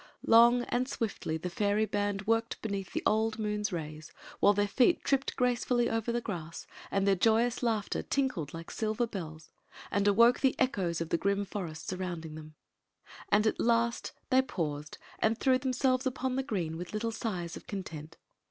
Long and swiftly the fairy band worked beneath the old moon's rays, while their feet tripped gracefully over the grass and their joyous laughter tinkled like mlver bells and awoke the echoes of the grim forest surrounding diem. And at last they paused and threw themselves upon the green with little sighs of content.